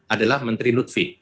adalah menteri lutfi